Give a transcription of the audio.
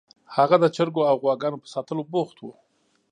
هغه د چرګو او غواګانو په ساتلو بوخت و